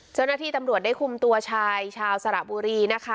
เจ้าหน้าที่ตำรวจได้คุมตัวชายชาวสระบุรีนะคะ